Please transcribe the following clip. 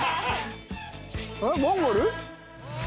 えっモンゴル？